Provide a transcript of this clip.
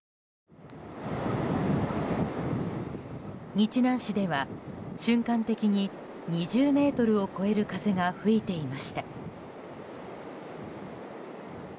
日南市では瞬間的に２０メートルを超える風が吹いていました。